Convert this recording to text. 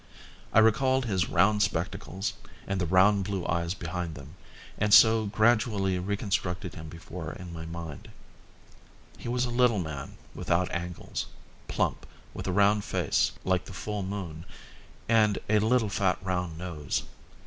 I recalled his round spectacles and the round blue eyes behind them, and so gradually reconstructed him before my mind. He was a little man, without angles, plump, with a round face like the full moon and a little fat round nose.